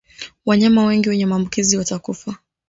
Wanyama wengi wenye maambukizi watakufa